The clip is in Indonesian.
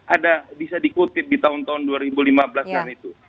ada bisa dikutip di tahun tahun dua ribu lima belas dan itu